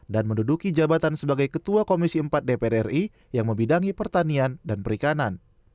dan menduduki jabatan sebagai ketua komisi empat dpr ri yang membidangi pertanian dan perikanan